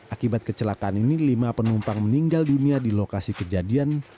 akibat kecelakaan ini lima penumpang meninggal dunia di lokasi kejadian